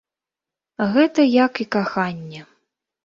Гэта як і каханне.